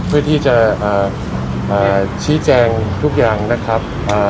เพื่อที่จะชี้แจงทุกอย่างนะครับ